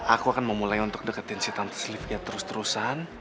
aku akan memulai untuk deketin si tante silvia terus terusan